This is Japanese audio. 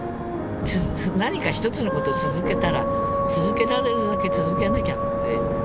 何か一つのこと続けたら続けられるだけ続けなきゃって。